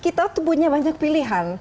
kita tuh punya banyak pilihan